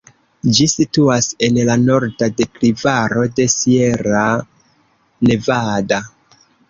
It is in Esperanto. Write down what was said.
Ĝi situas en la norda deklivaro de Sierra Nevada.